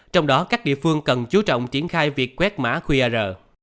trong đó các địa phương cần chú trọng triển khai việc quét mã qr